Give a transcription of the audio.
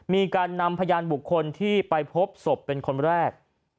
มีการนำพยานบุคคลที่ไปพบศพเป็นคนแรก